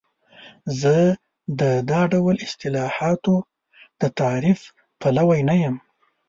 زه د دا ډول اصطلاحاتو د تعریف پلوی نه یم.